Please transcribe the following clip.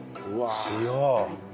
うわ！